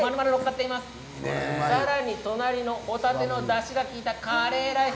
さらに隣のホタテのだしが利いたカレーライス。